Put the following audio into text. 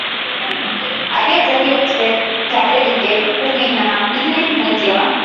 Aliyezaliwa tarejhe kumi na nne mwezi wa